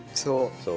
そう。